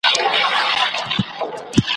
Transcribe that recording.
پر منبر یې نن ویله چي غلام به وي مختوری ,